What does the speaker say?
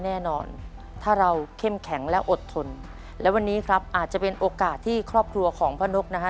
แน่นอนถ้าเราเข้มแข็งและอดทนและวันนี้ครับอาจจะเป็นโอกาสที่ครอบครัวของพ่อนกนะฮะ